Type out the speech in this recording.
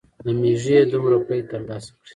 له مېږې دومره پۍ تر لاسه کړې.